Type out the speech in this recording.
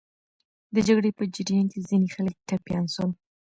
د جګړې په جریان کې ځینې خلک ټپیان سول.